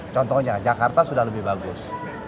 contohnya jakarta sudah lebih bagus